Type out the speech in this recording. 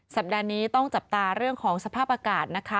สัปดาห์นี้ต้องจับตาเรื่องของสภาพอากาศนะคะ